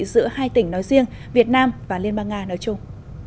giữa hai tỉnh nói riêng việt nam và liên bang nga nói chung